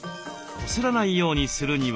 こすらないようにするには。